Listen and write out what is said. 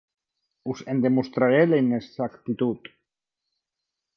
Us en demostraré la inexactitud.